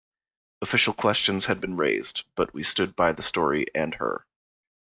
Official questions had been raised, but we stood by the story and her.